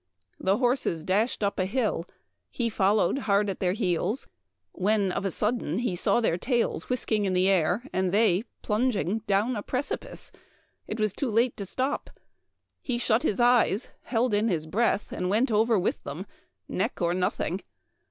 The horses dashed up a hill, he followed hard at their heels, when, of a sudden, he saw their tails whisking in the air, and they plunging down a precipice. It was too late to stop. He shut his eyes, held in his breath, and went over with them — neck or nothing.